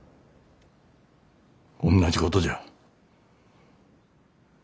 おんなじことじゃ。